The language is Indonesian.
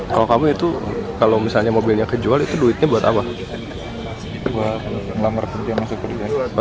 pokoknya matiin mesin dia buka pintu langsung keluar